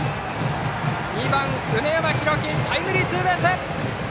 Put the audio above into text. ２番、梅山浩輝タイムリーツーベース！